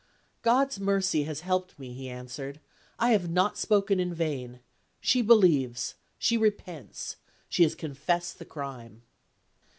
"God's mercy has helped me," he answered. "I have not spoken in vain. She believes; she repents; she has confessed the crime."